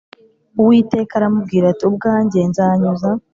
Uwiteka aramubwira ati Ubwanjye nzanyuza